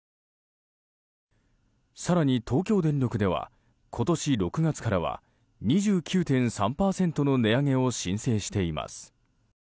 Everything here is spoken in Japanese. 更に、東京電力では今年６月からは２９．３％の値上げを申請しています。